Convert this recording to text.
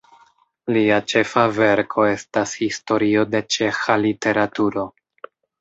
Lia ĉefa verko estas Historio de ĉeĥa literaturo.